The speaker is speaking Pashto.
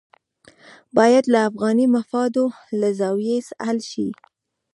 باید له افغاني مفاداتو له زاویې حل شي.